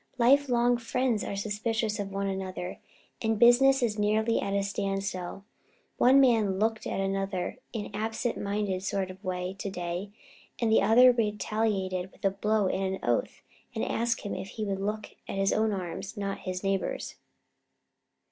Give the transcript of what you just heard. Life long friends are suspicious of one another and business is nearly at a standstill. One man looked at another in an absent minded sort of a way to day, and the other retaliated with a blow and an oath, and asked him if he would look at his own arms not his neighbor's."